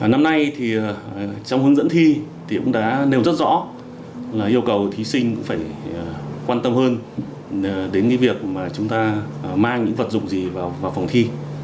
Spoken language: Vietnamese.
năm nay thì trong hướng dẫn thi thì cũng đã nêu rất rõ là yêu cầu thí sinh cũng phải quan tâm hơn đến cái việc mà chúng ta mang những vật dụng gì vào phòng thi